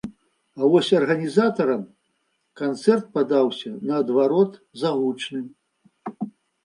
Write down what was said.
А вось арганізатарам канцэрт падаўся наадварот загучным.